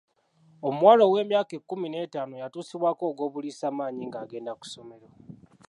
Omuwala ow'emyaka ekkumi n'etaano yatuusibwako ogw'obuliisamaanyi ng'agenda ku ssomero.